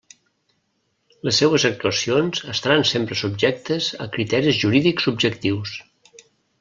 Les seues actuacions estaran sempre subjectes a criteris jurídics objectius.